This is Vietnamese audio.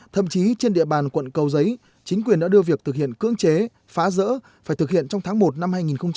thậm chí trên địa bàn quận cầu giấy chính quyền đã đưa việc thực hiện cưỡng chế phá rỡ phải thực hiện trong tháng một năm hai nghìn hai mươi